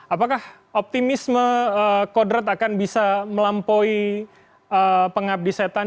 apakah optimisme kodrat akan bisa melampaui pengabdi setan